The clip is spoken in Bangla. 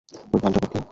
ঐ বালটা আবার কি?